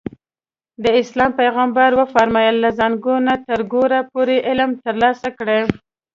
د اسلام پیغمبر وفرمایل له زانګو نه تر ګوره پورې علم ترلاسه کړئ.